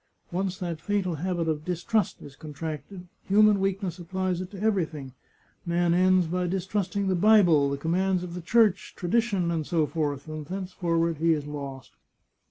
Once that fatal habit of distrust is contracted, human weakness applies it to everything. Man ends by distrusting the Bible, the commands of the Church, tradition, etc., and thenceforward he is lost.